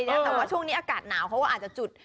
แต่ว่าช่วงนี้อากาศหนาวเขาก็อาจจะจุด